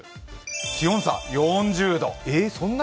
気温差４０度。